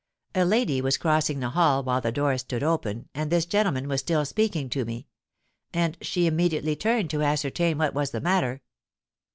A lady was crossing the hall while the door stood open and this gentleman was still speaking to me; and she immediately turned to ascertain what was the matter.